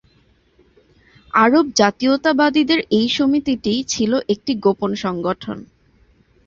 আরব জাতীয়তাবাদীদের এই সমিতিটি ছিল একটি গোপন সংগঠন।